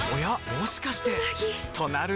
もしかしてうなぎ！